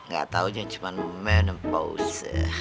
gak taunya cuman menempaus